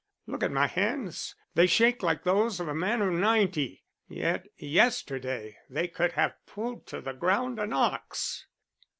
Look at my hands they shake like those of a man of ninety. Yet yesterday they could have pulled to the ground an ox."